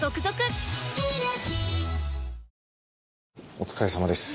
お疲れさまです。